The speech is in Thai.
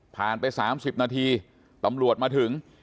ผ่านไปสามสิบนาทีตำรวจมาถึง